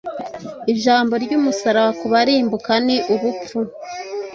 Ijambo ry’umusaraba ku barimbuka ni ubupfu;